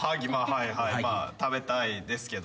はいはいまあ食べたいですけど。